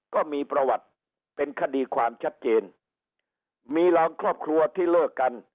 ก็มีประวัติเป็นคดีความชัดเจนมีหลายครอบครัวที่เลิกกัน